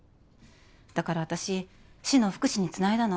だから私市の福祉につないだの。